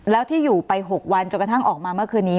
แล้วที่อยู่ไป๖วันจนกระทั่งออกมาเมื่อคืนนี้